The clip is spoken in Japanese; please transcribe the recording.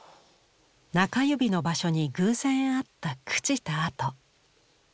中指の場所に偶然あった朽ちた跡。